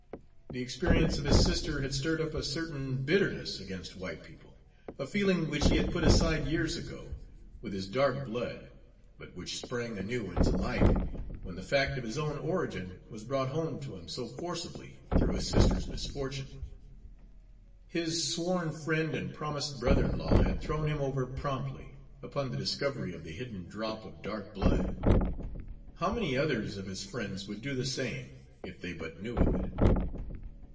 The experience of his sister had stirred up a certain bitterness against white people a feeling which he had put aside years ago, with his dark blood, but which sprang anew into life when the fact of his own origin was brought home to him so forcibly through his sister's misfortune. His sworn friend and promised brother in law had thrown him over promptly, upon the discovery of the hidden drop of dark blood. How many others of his friends would do the same, if they but knew of it?